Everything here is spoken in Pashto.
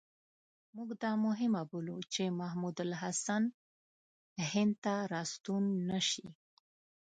موږ دا مهمه بولو چې محمود الحسن هند ته را ستون نه شي.